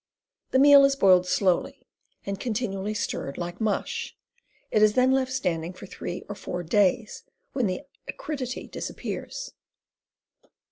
The meal is boiled slowly, and continually stirred like mush. It is then left standing for three or four days, when the acridity disappears.